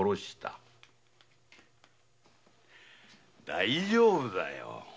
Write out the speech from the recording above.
大丈夫だよ。